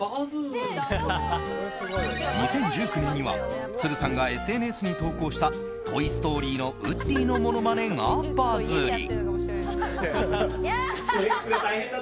２０１９年には都留さんがＳＮＳに投稿した「トイ・ストーリー」のウッディのものまねがバズり。